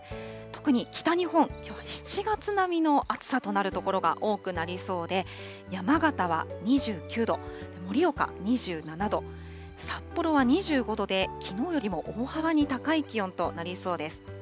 特に北日本、きょうは７月並みの暑さとなる所が多くなりそうで、山形は２９度、盛岡２７度、札幌は２５度で、きのうよりも大幅に高い気温となりそうです。